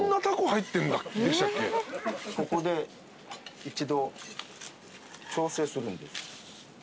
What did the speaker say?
ここで一度調整するんです。